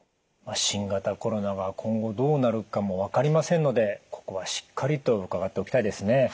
新型コロナが今後どうなるかも分かりませんのでここはしっかりと伺っておきたいですね。